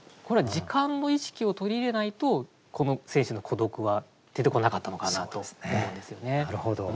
これは時間の意識を取り入れないとこの選手の孤独は出てこなかったのかなと思うんですよね。